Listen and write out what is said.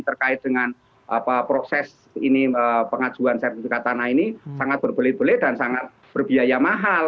terkait dengan proses ini pengajuan sertifikat tanah ini sangat berbelit belit dan sangat berbiaya mahal